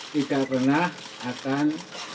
tidak pernah akan